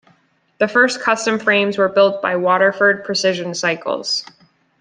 The first custom frames were built by Waterford Precision Cycles.